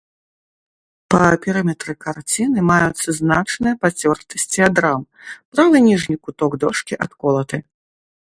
Па перыметры карціны маюцца значныя пацёртасці ад рам, правы ніжні куток дошкі адколаты.